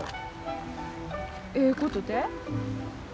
ええことて？